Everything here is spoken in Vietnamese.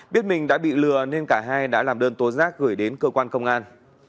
biết mình đã bị lừa nên cả hai đã làm đơn tố giác gửi đến cơ quan công an